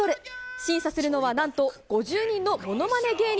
審査するのはなんと５０人のものまね芸人。